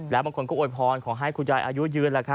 แล้วบางคนก็โวยพรขอให้คุณยายอายุยืน